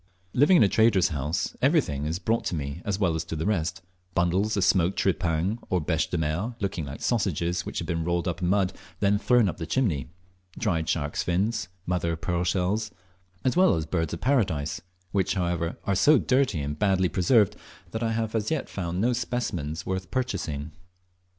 Living in a trader's house everything is brought to me as well as to the rest, bundles of smoked tripang, or "beche de mer," looking like sausages which have been rolled in mud and then thrown up the chimney; dried sharks' fins, mother of pearl shells, as well as birds of Paradise, which, however, are so dirty and so badly preserved that I have as yet found no specimens worth purchasing.